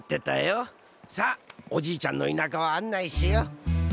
さあおじいちゃんの田舎を案内しよう。